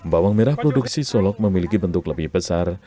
bawang merah produksi solok memiliki bentuk lebih besar